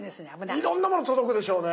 いろんなもの届くでしょうね。